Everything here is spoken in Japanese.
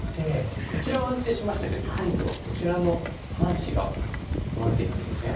こちらは安定しましたけど今度はこちらの３子が不安定になってきません？